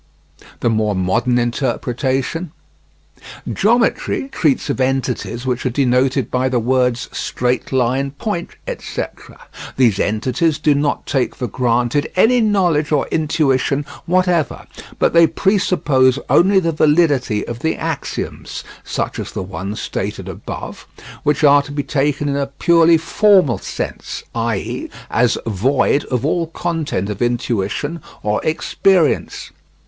The more modern interpretation: Geometry treats of entities which are denoted by the words straight line, point, etc. These entities do not take for granted any knowledge or intuition whatever, but they presuppose only the validity of the axioms, such as the one stated above, which are to be taken in a purely formal sense, i.e. as void of all content of intuition or experience.